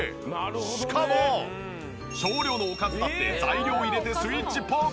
しかも少量のおかずだって材料入れてスイッチポン！